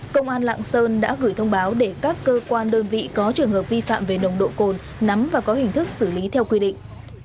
công an lạng sơn đã gửi thông báo để các cơ quan đơn vị có trường hợp vi phạm về nồng độ cồn nắm và có hình thức xử lý theo quy định